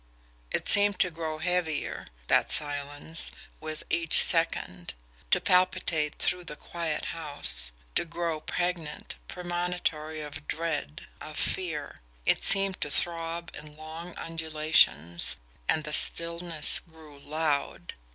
It seemed to grow heavier, that silence, with each second to palpitate through the quiet house to grow pregnant, premonitory of dread, of fear it seemed to throb in long undulations, and the stillness grew LOUD.